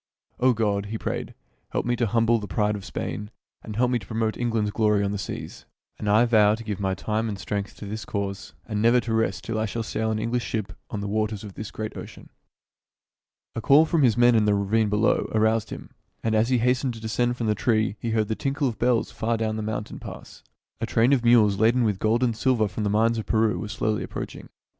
"O God," he prayed, "help me to humble the pride of Spain, and help me to promote England's glory on the seas. And I vow to give my time and strength to this cause, and never to rest till I shall sail an English ship on the waters of this great ocean." A call from his men in the ravine below aroused him ; and as he hastened to descend from the tree he heard the tinkle of bells far down the mountain pass. A train of mules laden with gold and silver from the mines of Peru was slowly approaching.